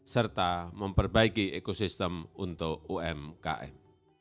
serta memperbaiki ekosistem untuk umkm